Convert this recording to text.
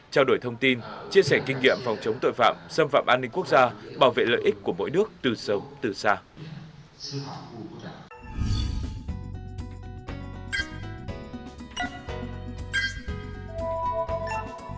trao đổi thông tin chia sẻ kinh nghiệm phòng chống tội phạm xâm phạm an ninh quốc gia bảo vệ lợi ích của mỗi nước từ sâu từ xa